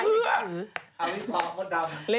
เอาอีกคอมหมดแล้ว